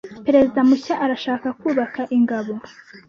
Perezida mushya arashaka kubaka ingabo.